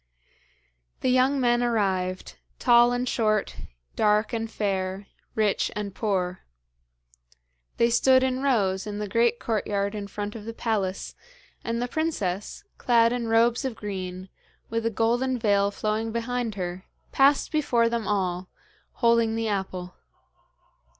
The young men arrived tall and short, dark and fair, rich and poor. They stood in rows in the great courtyard in front of the palace, and the princess, clad in robes of green, with a golden veil flowing behind her, passed before them all, holding the apple.